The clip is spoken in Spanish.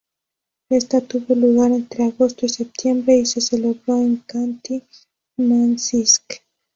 Esta tuvo lugar entre agosto y septiembre y se celebró en Khanti-Mansisk.